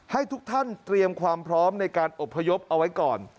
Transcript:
ให้ทุกท่านเตรียมความพร้อมในการอบพยพเอาไว้ก่อน